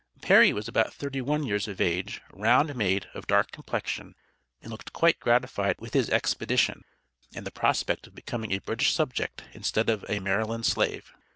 Perry was about thirty one years of age, round made, of dark complexion, and looked quite gratified with his expedition, and the prospect of becoming a British subject instead of a Maryland slave.